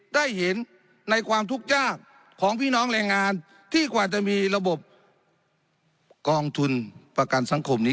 ได้เห็นในความทุกข์ยากของพี่น้องแรงงานที่กว่าจะมีระบบกองทุนประกันสังคมนี้